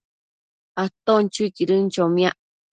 aton chuiquidën chomiac